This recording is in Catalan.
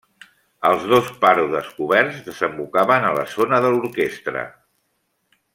Els dos pàrodes coberts desembocaven a la zona de l'orquestra.